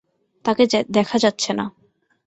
তাকে দেখা যাচ্ছে না।